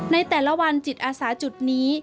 ในแต่ละวันจิตอาสาจุดนี้